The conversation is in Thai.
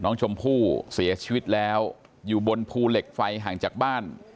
น้องชมพู่เสียชีวิตแล้วอยู่บนภูเหล็กไฟห่างจากบ้าน